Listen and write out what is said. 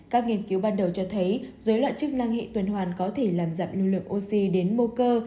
các nghiên cứu ban đầu cho thấy dưới loại chức năng hị tuần hoàn có thể làm giảm lưu lượng oxy đến mô cơ